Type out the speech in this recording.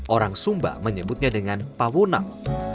orang sumba menyebutnya dengan pawonang